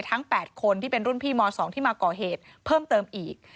ทั้ง๘คนที่เป็นรุ่นพี่ม๒ที่มาก่อเหตุเพิ่มเติมอีก